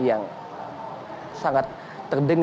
yang sangat terdengar